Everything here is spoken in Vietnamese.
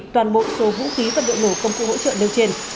toàn bộ số vũ khí vật liệu nổ công cụ hỗ trợ nêu trên